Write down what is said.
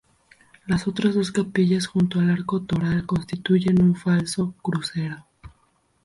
Las otras dos capillas junto al arco toral constituyen un falso crucero.